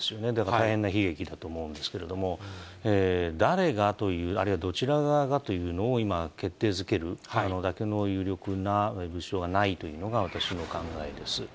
大変な悲劇だと思うんですけれども、誰がという、あるいはどちら側がというのを今決定づけるだけの有力な物証はないというのが私の考えです。